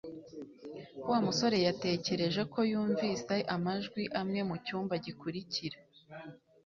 Wa musore yatekereje ko yumvise amajwi amwe mucyumba gikurikira